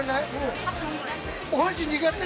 ◆お箸苦手。